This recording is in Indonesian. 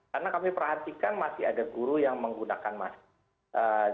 karena kami perhatikan masih ada guru yang menggunakan masker